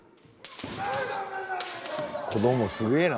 子供すげえな。